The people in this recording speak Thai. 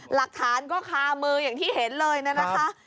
หลักฐานพูดจากมือที่เห็นเลยนะนะคะ